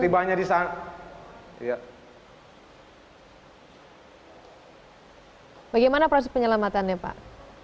bagaimana proses penyelamatannya pak